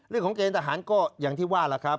เรื่องของเกณฑ์ทหารก็อย่างที่ว่าล่ะครับ